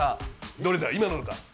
どれだ、今のか？